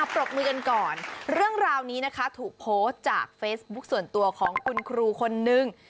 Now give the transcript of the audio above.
ปรบมือกันก่อนเรื่องราวนี้นะคะถูกโพสต์จากเฟซบุ๊คส่วนตัวของคุณครูคนนึง